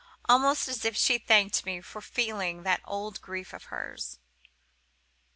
almost as if she thanked me for feeling that old grief of hers.